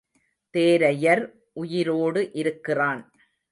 தேரையர் உயிரோடு இருக்கிறான்.